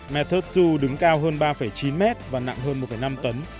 method hai đứng cao hơn ba chín mét và nặng hơn một năm tấn